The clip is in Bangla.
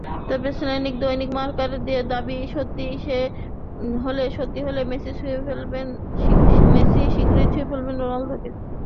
তবে স্প্যানিশ দৈনিক মার্কার দাবি সত্যি হলে মেসি শিগগিরই ছুঁয়ে ফেলবেন রোনালদোকে।